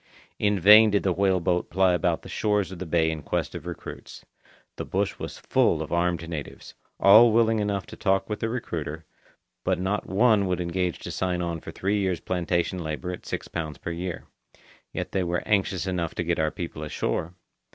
In vain did the whale boat ply about the shores of the bay in quest of recruits. The bush was full of armed natives; all willing enough to talk with the recruiter, but not one would engage to sign on for three years' plantation labour at six pounds per year. Yet they were anxious enough to get our people ashore.